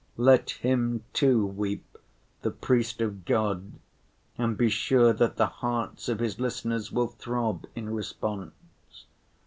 Let him too weep, the priest of God, and be sure that the hearts of his listeners will throb in response.